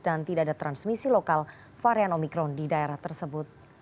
dan tidak ada transmisi lokal varian omikron di daerah tersebut